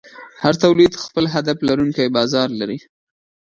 هر تولید خپل هدف لرونکی بازار لري.